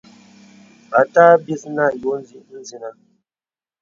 Àtâ bis nə àyo zinə.